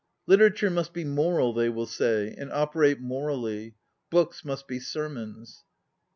Literature must be moral, they will say, and operate morally; books must be sermons.